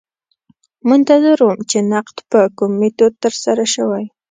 منتظر وم چې نقد په کوم میتود ترسره شوی.